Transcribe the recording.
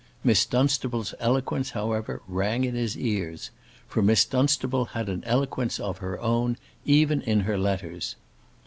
Miss Dunstable's eloquence, however, rang in his ears. For Miss Dunstable had an eloquence of her own, even in her letters.